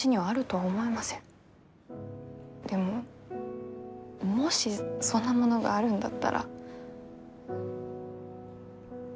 でももしそんなものがあるんだったら見つけましょう。